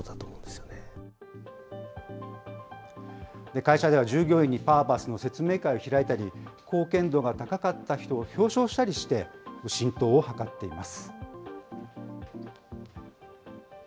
会社では従業員にパーパスの説明会を開いたり、貢献度が高かった人を表彰したりして、浸透を図っています。